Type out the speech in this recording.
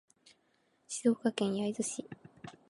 静岡県焼津市